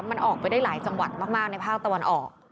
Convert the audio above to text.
มันออกไปได้หลายจังหวัดมากในภาคตะวันออก